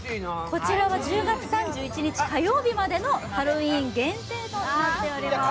こちらは１０月３１日までのハロウィーン限定となっております。